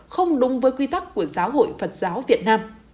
không đúng với quy tắc của giáo hội phật giáo việt nam